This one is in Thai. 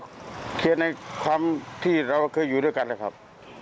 ก็เขียนในความที่เราเคยอยู่ด้วยกันนะครับ